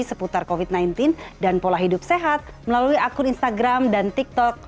seputar covid sembilan belas dan pola hidup sehat melalui akun instagram dan tiktok